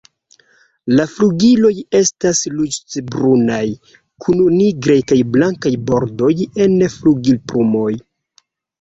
La flugiloj estas ruĝecbrunaj kun nigraj kaj blankaj bordoj en flugilplumoj.